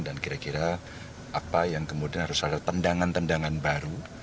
dan kira kira apa yang kemudian harus ada tendangan tendangan baru